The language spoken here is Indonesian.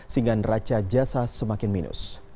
sehingga neraca jasa semakin minus